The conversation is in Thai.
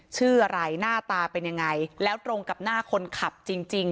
ชื่ออะไรหน้าตาเป็นยังไงแล้วตรงกับหน้าคนขับจริงจริง